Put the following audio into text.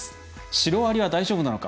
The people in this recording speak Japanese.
「シロアリは大丈夫なのか」